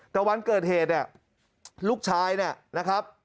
แต่วันเกิดเหตุลูกชายนะครับ